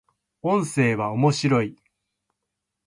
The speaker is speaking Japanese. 音声は、面白い